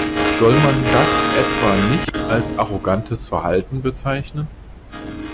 Soll man das etwa nicht als arrogantes Verhalten bezeichnen?